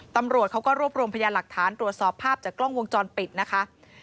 ตำรวจเขาก็รวบรวมพยานหลักฐานตรวจสอบภาพจากกล้องวงจรปิดนะคะ